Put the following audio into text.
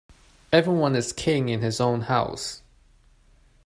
Everyone is king in his own house.